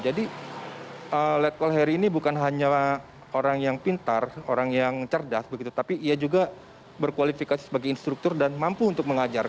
jadi letkol heri ini bukan hanya orang yang pintar orang yang cerdas tapi ia juga berkualifikasi sebagai instruktur dan mampu untuk mengajar